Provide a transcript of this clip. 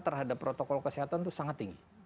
terhadap protokol kesehatan itu sangat tinggi